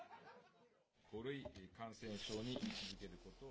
５類感染症に位置づけることを。